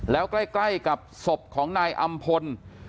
แล้วใกล้กับศพของนายอำพล